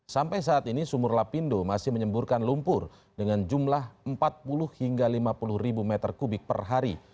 sampai saat ini sumur lapindo masih menyemburkan lumpur dengan jumlah empat puluh hingga lima puluh ribu meter kubik per hari